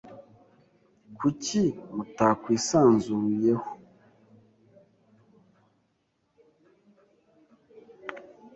Kuki mutakwisanzuyeho?